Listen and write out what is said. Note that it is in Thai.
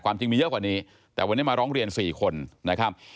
จริงมีเยอะกว่านี้แต่วันนี้มาร้องเรียน๔คนนะครับ